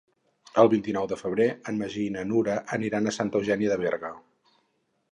El vint-i-nou de febrer en Magí i na Nura aniran a Santa Eugènia de Berga.